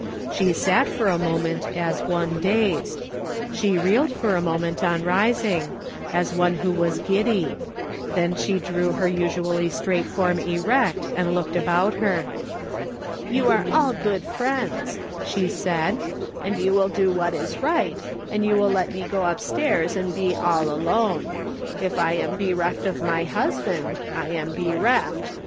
She sat for a moment as one dazed. She reeled for a, moment on rising, as one who was giddy ; then she drew her usually straight form erect, and looked about her. " You are all good friends," she said, " and you will do what is right, and you will let me go upstairs and be all alone. If I am bereft of my Inisband, I am bereft.